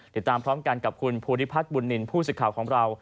ติดตามพร้อมกันกับคุณภูริพัฒน์บุญนินทร์ผู้สื่อข่าวของเรา